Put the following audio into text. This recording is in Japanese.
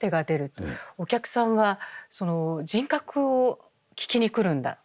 お客さんは人格を聞きに来るんだ。